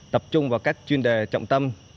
tập trung vào các chuyên đề trọng tâm